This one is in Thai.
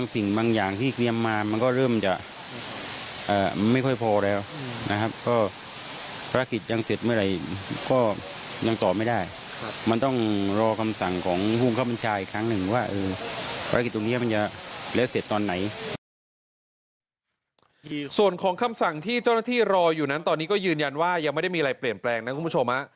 ส่วนของคำสั่งที่เจ้าหน้าที่รออยู่นั้นตอนนี้ก็ยืนยันว่ายังไม่ได้มีอะไรเปลี่ยนแปลงนะคุณผู้ชม